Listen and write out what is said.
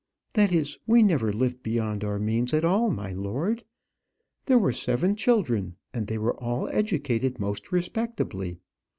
"That is, we never lived beyond our means at all, my lord. There were seven children; and they were all educated most respectably.